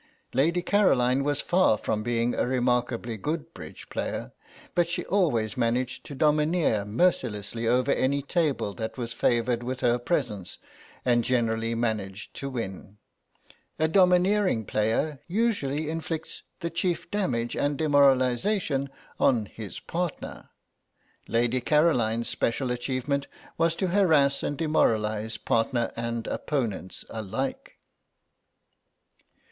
Lady Caroline was far from being a remarkably good bridge player, but she always managed to domineer mercilessly over any table that was favoured with her presence, and generally managed to win. A domineering player usually inflicts the chief damage and demoralisation on his partner; Lady Caroline's special achievement was to harass and demoralise partner and opponents alike.